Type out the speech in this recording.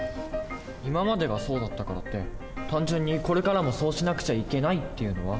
今までがそうだったからって単純にこれからもそうしなくちゃいけないっていうのは。